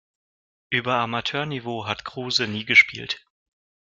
Über Amateurniveau hat Kruse nie gespielt.